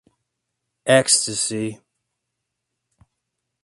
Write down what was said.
Ecstasy.